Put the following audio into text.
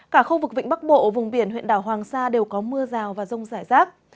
cả khu vực vịnh bắc bộ vùng biển huyện đảo hoàng sa đều có mưa rào và rông rải rác